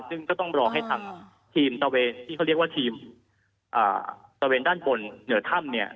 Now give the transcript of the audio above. ซึ่งก็ต้องรอให้ทางทีมตะเวนที่เขาเรียกว่าทีมตะเวนด้านบนเหนือถ้ำเนี่ย